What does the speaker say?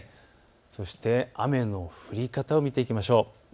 そして雨の降り方を見ていきましょう。